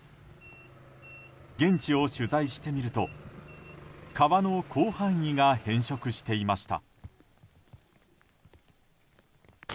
現地を取材してみると川の広範囲が変色していました。